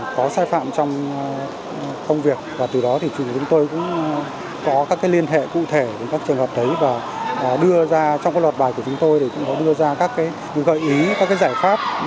có sai phạm trong công việc và từ đó chúng tôi cũng có các liên hệ cụ thể với các trường hợp đấy và đưa ra các gợi ý và giải pháp